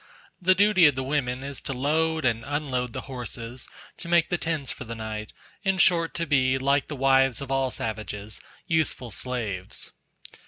The duty of the women is to load and unload the horses; to make the tents for the night; in short to be, like the wives of all savages, useful slaves.